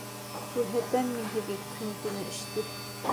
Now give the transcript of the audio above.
Күрһәтәм мин һеҙгә «көнө-төнө эш»те!